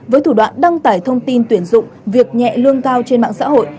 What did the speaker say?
với thủ đoạn đăng tải thông tin tuyển dụng việc nhẹ lương cao trên mạng xã hội